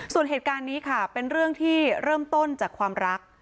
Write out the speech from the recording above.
ส่วนเหตุการณ์นี้ค่ะเป็นเรื่องที่เริ่มต้นจากความรัก